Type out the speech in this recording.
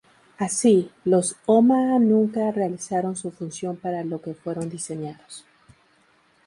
Así, los "Omaha" nunca realizaron su función para lo que fueron diseñados.